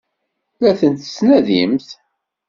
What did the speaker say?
La tent-tettnadimt?